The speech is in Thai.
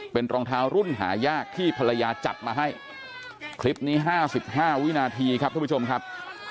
เป็นรองเท้ารุ่นหายากที่ภรรยาจัดมาให้คลิปนี้๕๕วินาทีครับทุกผู้ชมครับ